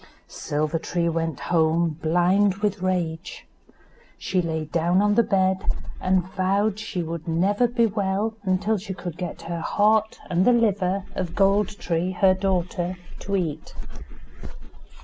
Silver tree went home, blind with rage. She lay down on the bed, and vowed she would never be well until she could get the heart and the liver of Gold tree, her daughter, to eat.